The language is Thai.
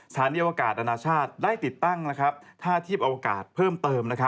มีโอกาสอนาชาติได้ติดตั้งท่าทีพอวกาศเพิ่มเติม